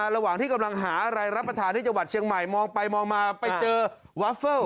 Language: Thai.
ระหว่างที่กำลังหาอะไรรับประทานที่จังหวัดเชียงใหม่มองไปมองมาไปเจอวาเฟิล